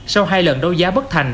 sau hai lần đôi giá bất thành